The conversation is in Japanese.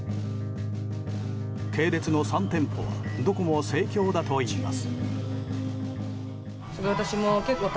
系列の３店舗はどこも盛況だといいます。